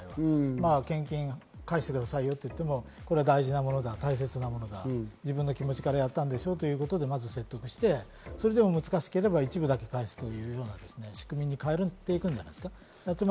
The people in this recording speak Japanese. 献金を返してくださいよと言っても、これは大事なものだ、大切なものだ、自分の気持ちからやったんでしょ？ということでまず説得して、それでも難しければ一部だけ返すという仕組みに変えていくんじゃないですか。